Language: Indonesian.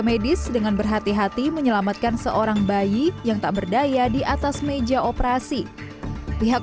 medis dengan berhati hati menyelamatkan seorang bayi yang tak berdaya di atas meja operasi pihak